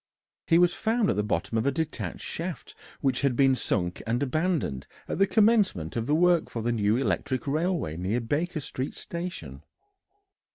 He was found at the bottom of a detached shaft which had been sunk and abandoned at the commencement of the work for the new electric railway near Baker Street Station.